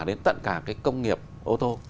đến tận cả cái công nghiệp ô tô